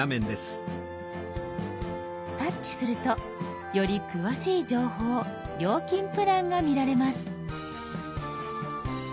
タッチするとより詳しい情報料金プランが見られます。